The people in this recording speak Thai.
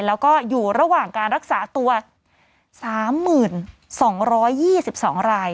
แล้วก็อยู่ระหว่างการรักษาตัว๓๒๒ราย